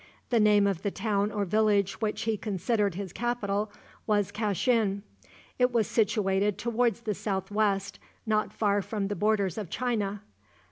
The name of the town or village which he considered his capital was Kashin. It was situated toward the southwest, not far from the borders of China.